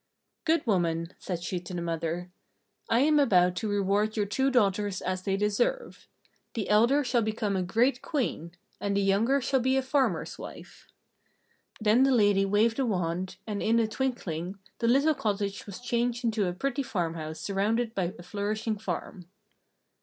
"Good woman," said she to the mother, "I am about to reward your two daughters as they deserve. The elder shall become a great Queen, and the younger shall be a farmer's wife." Then the lady waved a wand and in a twinkling the little cottage was changed into a pretty farmhouse surrounded by a flourishing farm.